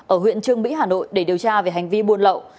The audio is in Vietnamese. ở huyện trương mỹ hà nội để điều tra về hành vi buôn lậu